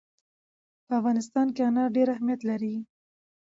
په افغانستان کې انار ډېر اهمیت لري.